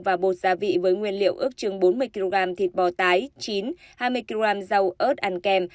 và bột gia vị với nguyên liệu ước chừng bốn mươi kg thịt bò tái chín hai mươi kg rau ớt ăn kèm